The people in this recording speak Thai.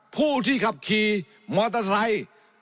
ผู้ที่ขับขี่มอเตอร์ไซค์